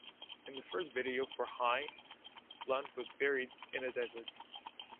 In the first video for ‘‘High,’’ Blunt was buried in a desert.